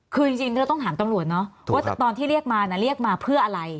คือจริงเราต้องถามตำรวจเนาะว่าตอนที่เรียกมาเรียกมาเพื่ออะไร